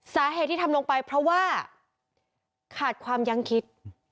สาเหตุที่ทำลงไปเพราะว่าขาดความยั้งคิด